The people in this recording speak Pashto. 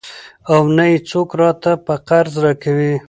او نه يې څوک راته په قرض راکوي.